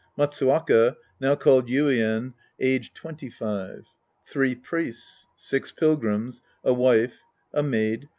Matsuwaka, now called Yuien, aged 25. Three Piiests. Six Pilgrims. A Wife, A Maid.